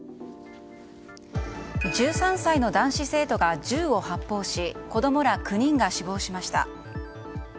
１３歳の男子生徒が銃を発砲し子供ら９人が死亡しました。